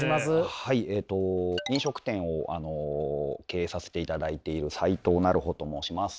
えっと飲食店を経営させていただいている齋藤成穂と申します。